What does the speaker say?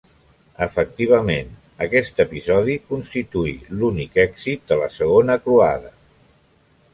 Efectivament, aquest episodi constituí l'únic èxit de la Segona Croada.